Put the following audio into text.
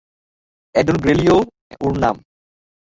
অ্যাডুল Grelio ওর নাম!